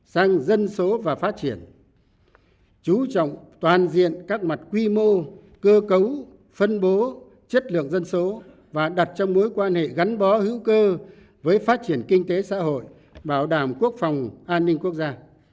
sang dân số và phát triển chú trọng toàn diện các mặt quy mô cơ cấu phân bố chất lượng dân số và đặt trong mối quan hệ gắn bó hữu cơ với phát triển kinh tế xã hội bảo đảm quốc phòng an ninh quốc gia